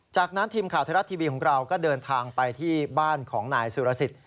จากนั้นทีมข่าวไทยรัฐทีวีของเราก็เดินทางไปที่บ้านของนายสุรสิทธิ